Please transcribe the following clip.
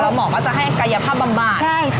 หมอก็จะให้กายภาพบำบัด